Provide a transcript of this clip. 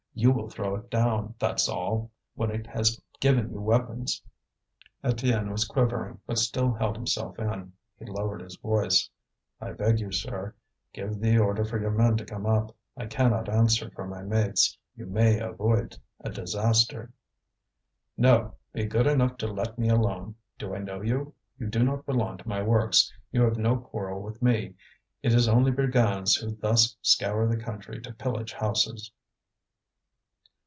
You will throw it down, that's all, when it has given you weapons." Étienne was quivering, but still held himself in. He lowered his voice. "I beg you, sir, give the order for your men to come up. I cannot answer for my mates. You may avoid a disaster." "No! be good enough to let me alone! Do I know you? You do not belong to my works, you have no quarrel with me. It is only brigands who thus scour the country to pillage houses."